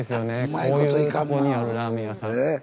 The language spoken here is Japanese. こういうとこにあるラーメン屋さんって。